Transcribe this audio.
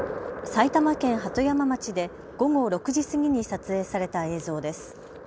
埼玉県鳩山町で午後６時過ぎに撮影された映像です。